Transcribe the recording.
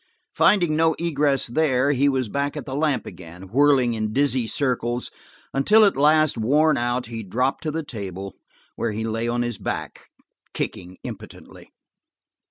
Finding no egress there, he was back at the lamp again, whirling in dizzy circles until at last, worn out, he dropped to the table, where he lay on his back, kicking impotently.